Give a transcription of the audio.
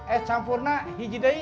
es campurnya hijidai